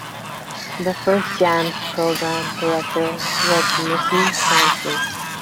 The first Jamz program director was Mickey Johnson.